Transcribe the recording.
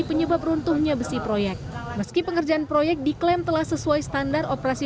penyebab runtuhnya besi proyek meski pengerjaan proyek diklaim telah sesuai standar operasi